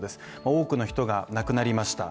多くの人が亡くなりました。